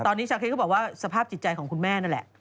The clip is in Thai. ตอนนี้ชาคริสก็บอกว่าสภาพจิตใจของคุณแม่นั่นแหละ